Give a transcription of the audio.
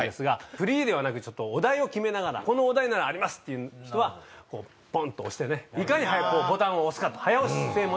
フリーではなくお題を決めながらこのお題ならありますって人はポンっと押していかに早くボタンを押すかと早押し制もね